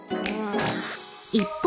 ［一方］